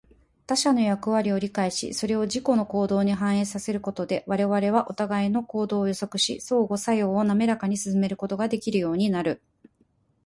他者の役割を理解し、それを自己の行動に反映させることで、我々はお互いの行動を予測し、相互作用をなめらかに進めることができるようになる。